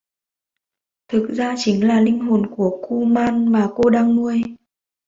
Thực ra chính là linh hồn của Kuman mà cô đang nuôi